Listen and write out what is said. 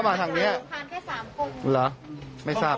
ไม่เครียดครับ